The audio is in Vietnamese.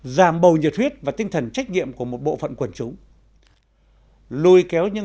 giảm bầu nhiệt huyết và tinh thần trách nhiệm của một bộ phận quần chúng